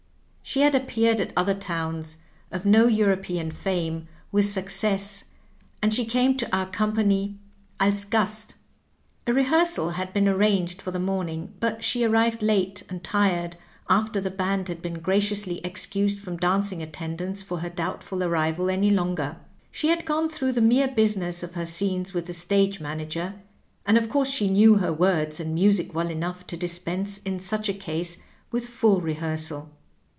She had appeared at other towns— of no £nropean fame — with success, and she came to our com pany oils Oast. A rehearsal had been arranged for the morning, but she arrived late and tired, after the band had been graciously excused from dancing attendance for her doubtful arrival any longer. She had gone through the mere business of her scenes with the stage manager, and of course she knew her words and music well enough to dispense in such a case with full rehearsal.